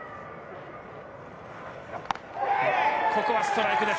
ここはストライクです。